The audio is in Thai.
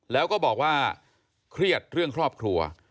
แล้วก็บอกว่าเครียดเรื่องครอบครัว